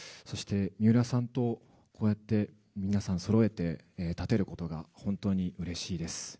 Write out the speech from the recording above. そして、三浦さんとこうやって皆さんとそろって立てることが本当にうれしいです。